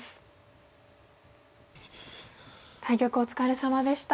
対局お疲れさまでした。